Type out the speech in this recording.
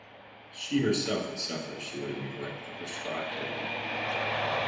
She herself would suffer if she were to neglect the prescribed regimen.